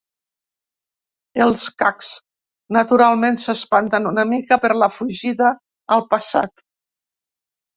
Els Qax, naturalment, s'espanten una mica per la fugida al passat.